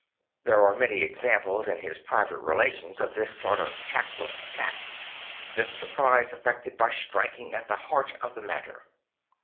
There are many examples in his pri va te relations of this sort of tactless tact; this surprise effected by striking at the heart of the matter.